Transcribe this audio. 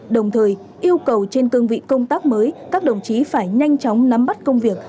đồng thời yêu cầu trên cương vị công tác mới các đồng chí phải nhanh chóng nắm bắt công việc